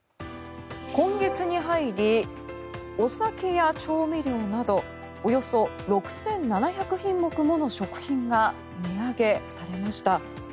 今月に入りお酒や調味料などおよそ６７００品目もの食品が値上げされました。